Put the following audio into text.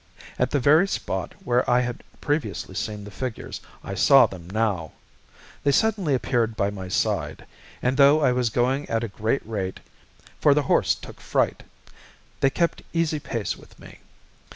At the very spot, where I had previously seen the figures, I saw them now. They suddenly appeared by my side, and though I was going at a great rate for the horse took fright they kept easy pace with me.